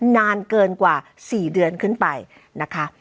นานเกินกว่า๔เดือนขึ้นไปนะคะ